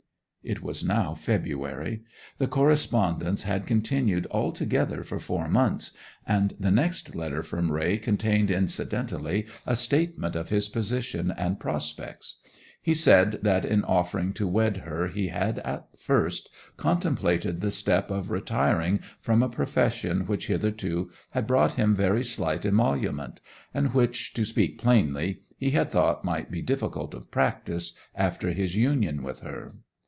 It was now February. The correspondence had continued altogether for four months; and the next letter from Raye contained incidentally a statement of his position and prospects. He said that in offering to wed her he had, at first, contemplated the step of retiring from a profession which hitherto had brought him very slight emolument, and which, to speak plainly, he had thought might be difficult of practice after his union with her.